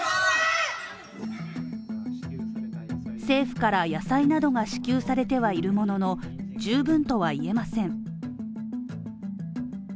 政府から野菜などが支給されてはいるものの十分とはいえません。